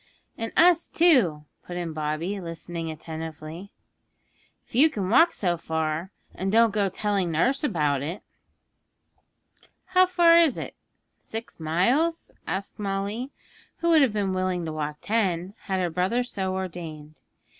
'And us, too,' put in Bobby, listening attentively. 'If you can walk so far, and don't go telling nurse about it.' 'How far is it? Six miles?' asked Molly, who would have been willing to walk ten, had her brother so ordained.